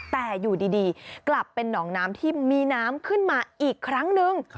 แต่อยู่ดีกลับเป็นหนองน้ำที่มีน้ำขึ้นมาอีกครั้งนึง